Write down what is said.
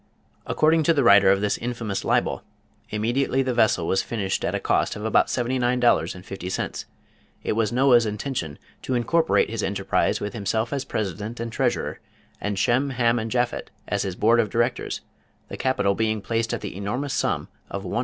According to the writer of this infamous libel, immediately the vessel was finished at a cost of about $79.50, it was Noah's intention to incorporate his enterprise with himself as President and Treasurer, and Shem, Ham and Japhet as his Board of Directors, the capital being placed at the enormous sum of $100,000,000.